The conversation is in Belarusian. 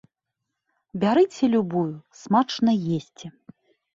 Бярыце любую, смачна есці!